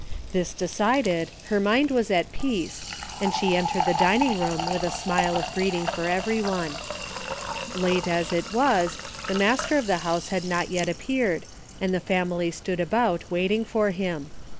This decided, her mind was at peace, and she entered the dining room with a smile of greeting for everyone. Late as it was, the master of the house had not yet appeared and the family stood about waiting for him.